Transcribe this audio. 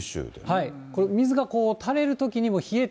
水がたれるときに冷えて。